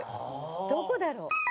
どこだろう？